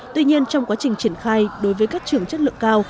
tuy nhiên trong quá trình triển khai đối với các trường chất lượng cao